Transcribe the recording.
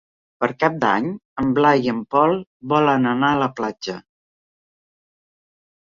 Per Cap d'Any en Blai i en Pol volen anar a la platja.